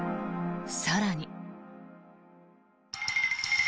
更に。